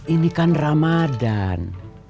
ini kan ramadhan